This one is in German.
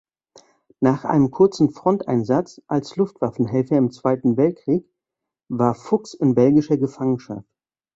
Nach einem kurzen Fronteinsatz als Luftwaffenhelfer im Zweiten Weltkrieg war Fuchs in belgischer Gefangenschaft.